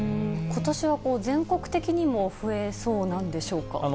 ことしは全国的にも増えそうなんでしょうか。